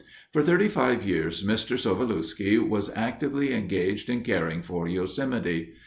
For thirty five years Mr. Sovulewski was actively engaged in caring for Yosemite.